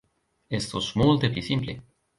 Estus multe pli simple.